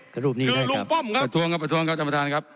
ก็รูปนี้ได้ครับคือลุงป้อมครับประทรวงครับประทรวงครับท่านประธานครับ